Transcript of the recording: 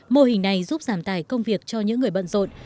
mô hình này giúp giảm tài công việc cho những người bận rộn